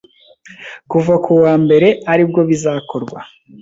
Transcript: kuva kuwa mbere aribwo bizakorwa